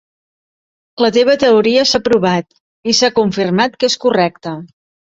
La teva teoria s'ha provat i s'ha confirmat que és correcta.